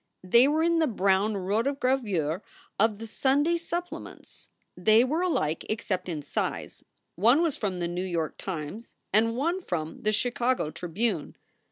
They were in the brown rotogravure of the Sunday supple ments. They were alike except in size; one was from the New York Times and one from the Chicago Tribune.